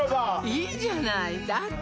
いいじゃないだって